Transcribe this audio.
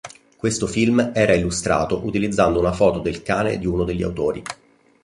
Questo film era illustrato utilizzando una foto del cane di uno degli autori.